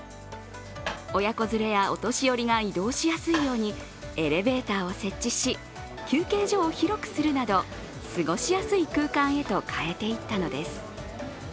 親子連れやお年寄りが移動しやすいようにエレベーターを設置し、休憩所を広くするなど、過ごしやすい空間へと変えていったのです。